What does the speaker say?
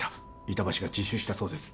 板橋が自首したそうです